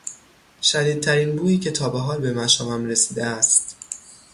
شدیدترین بویی که تابحال به مشامم رسیده است